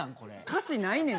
歌詞ないねんて。